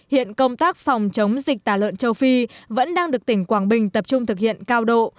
hiện công tác phòng chống dịch tả lợn châu phi vẫn đang được tỉnh quảng bình tập trung thực hiện cao độ